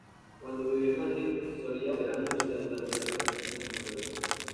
Cuando vivía en Madrid, solía volver a Murcia durante las vacaciones en la Escuela.